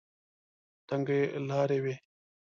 تنګې لارې وې.